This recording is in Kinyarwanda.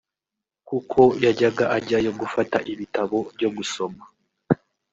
kuko yajyaga ajyayo gufata ibitabo byo gusoma